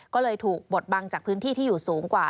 ก็เลยถูกบดบังจากพื้นที่ที่อยู่สูงกว่า